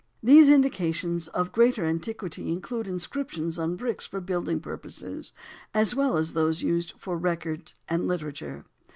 These indications of greater antiquity include inscriptions on bricks for building purposes as well as those used for record and literature.